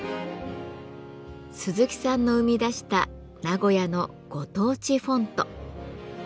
鈴木さんの生み出した名古屋のご当地フォント。